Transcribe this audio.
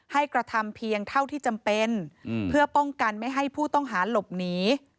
กระทำเพียงเท่าที่จำเป็นเพื่อป้องกันไม่ให้ผู้ต้องหาหลบหนี